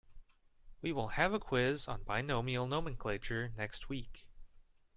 We will have a quiz on binomial nomenclature next week.